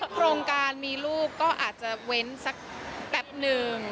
โครงการมีลูกก็อาจจะเว้นสักแป๊บนึง